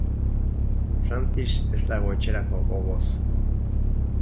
Francis ez dago etxerako gogoz.